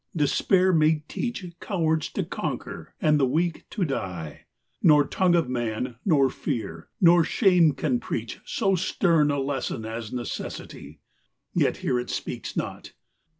Despair may teach Cowards to conquer and the weak to die ; Nor tongue of man, nor fear, nor shame can preach So stern a lesson as necessity, Yet here it speaks not.